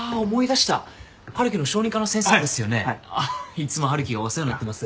いつも春樹がお世話になってます。